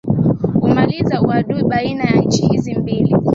umaliza uadui baina ya nchi hizo mbili